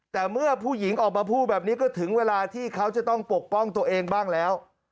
แต่เมื่อผู้หญิงออกมาพูดแบบนี้ก็ถึงเวลาที่เขาจะต้องปกป้องตัวเองบ้างแล้ว